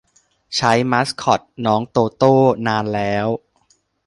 ใช้มาสคอต น้องโตโต้ นานแล้ว